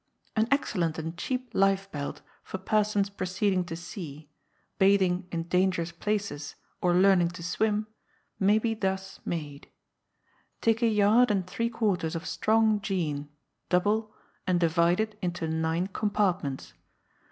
An excellent and cheap life belt, for persons proceeding to sea, bathing in dangerous places, or learning to swim, may be thus made: Take a yard and three quarters of strong jean, double, and divide it into nine compartments.